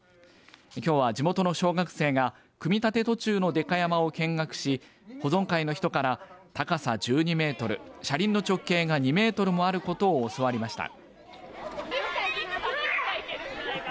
きょうは地元の小学生が組み立て途中のでか山を見学し保存会の人から高さ１２メートル車輪の直径が２メートルもあることを教わりました。